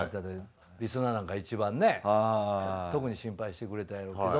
リスナーなんかいちばんね特に心配してくれたやろうけど。